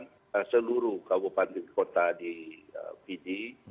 kita sudah laksanakan seluruh kabupaten kota di pd